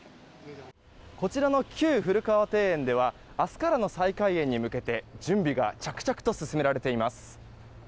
こちらの旧古河庭園では明日からの再開園に向けて準備が着々と進められています。